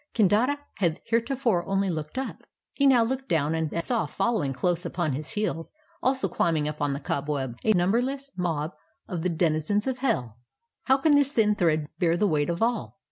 Kandata had heretofore only looked up; he now looked down, and saw following close upon his heels, also climbing up on the cobweb, a numberless mob of the denizens of hell. 'How can this thin thread bear the weight of all?'